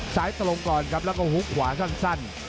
ตรงก่อนครับแล้วก็หุบขวาสั้น